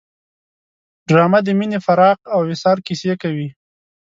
ډرامه د مینې، فراق او وصال کیسې کوي